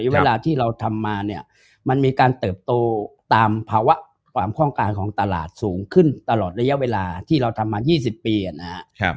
เวลาที่เราทำมาเนี่ยมันมีการเติบโตตามภาวะความคล่องการของตลาดสูงขึ้นตลอดระยะเวลาที่เราทำมา๒๐ปีนะครับ